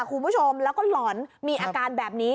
คุณผู้ชมแล้วก็หล่อนมีอาการแบบนี้